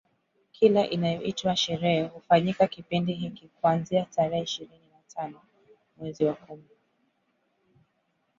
Kila inayoitwa sherehe hufanyika kipindi hiki kuanzia tarehe ishirini na tano mwezi wa kumi